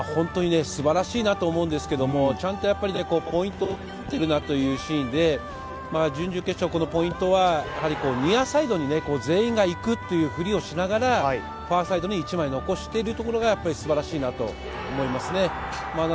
素晴らしいと思うんですけれども、ちゃんとポイントをとっているなというシーンで準々決勝、ポイントはニアサイドに全員が行くというふりをしながら、ファーサイドに１枚残しているところが素晴らしいなと思います。